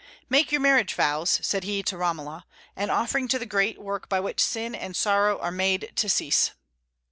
"Make your marriage vows," said he to Romola, "an offering to the great work by which sin and sorrow are made to cease."